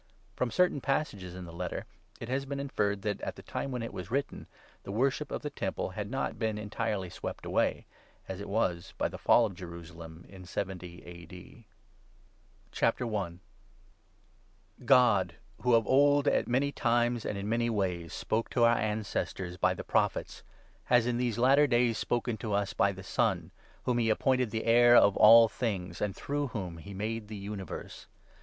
From certain passages in the Letter it has been inferred that, at the time when it was written, the worship of the Temple had not been entirely swept away, as it was by the fall of Jerusalem in 70 A.D. TO HEBREWS. I. — THE PARAMOUNT POSITION OF THE CHRIST AS THE MEDIATOR OF THE NEW REVELATION. God, who, of old, at many times and in many superiority ways, spoke to our ancestors, by the Prophets, to Angeis. has in these latter days spoken to us by the Son, whom he appointed the heir of all things, and through whom he made the universe.